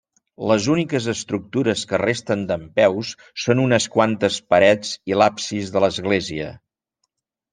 Les úniques estructures que resten dempeus són unes quantes parets i l'absis de l'església.